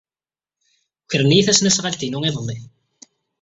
Ukren-iyi tasnasɣalt-inu iḍelli.